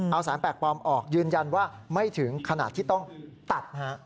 เอาสารแปลกปลอมออกยืนยันว่าไม่ถึงขนาดที่ต้องตัด